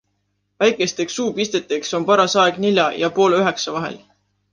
Väikesteks suupisteteks on paras aeg nelja ja poole üheksa vahel.